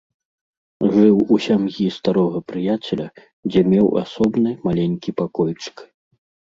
Жыў у сям'і старога прыяцеля, дзе меў асобны маленькі пакойчык.